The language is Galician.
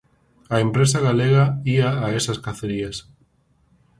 A empresa galega ía a esas cacerías.